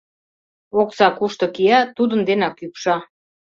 Окса кушто кия — тудын денак ӱпша.